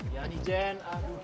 ya nih jen